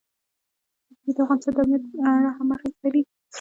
وګړي د افغانستان د امنیت په اړه هم اغېز لري.